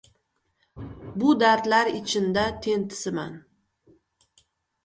Bu dardlar ichinda tentisam